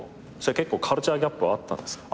カルチャーギャップはあったんですか？